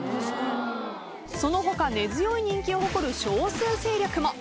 その他根強い人気を誇る少数勢力も。